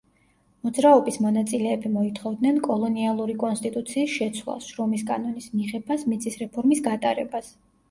მოძრაობის მონაწილეები მოითხოვდნენ კოლონიალური კონსტიტუციის შეცვლას, შრომის კანონის მიღებას, მიწის რეფორმის გატარებას.